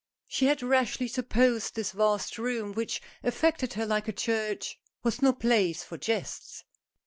She had rashly supposed this vast room, which affected her like a church, was no place for jests.